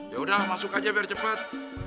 ya udah masuk aja biar cepat